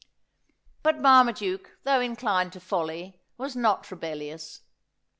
But Marmaduke, though inclined to folly, was not rebellious.